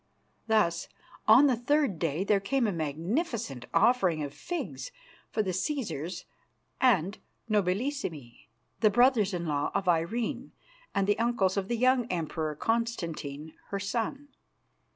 Thus, on the third day, there came a magnificent offering of figs for the Cæsars and Nobilissimi, the brothers in law of Irene and the uncles of the young Emperor Constantine, her son.